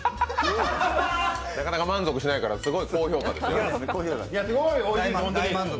なかなか満足しないから高評価です。